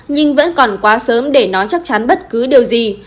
nhưng vẫn còn quá sớm để nói chắc chắn bất cứ điều gì